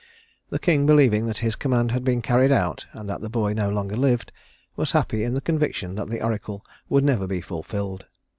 The king, believing that his command had been carried out and that the boy no longer lived, was happy in the conviction that the oracle would never be fulfilled.